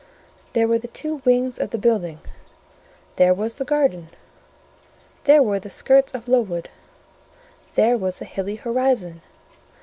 There were the two wings of the building; there was the garden; there were the skirts of Lowood; there was the hilly horizon.